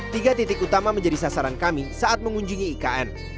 tiga titik utama menjadi sasaran kami saat mengunjungi ikn